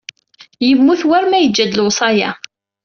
Yemmut war ma yejja-d lewṣaya.